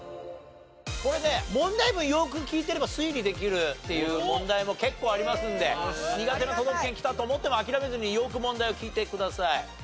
これね問題文よく聞いてれば推理できるっていう問題も結構ありますんで苦手な都道府県きたと思っても諦めずによく問題を聞いてください。